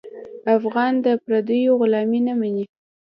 افغان د پردیو غلامي نه مني.